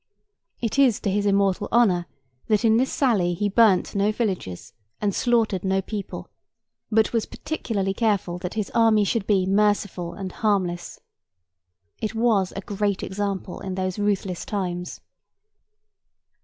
It is to his immortal honour that in this sally he burnt no villages and slaughtered no people, but was particularly careful that his army should be merciful and harmless. It was a great example in those ruthless times.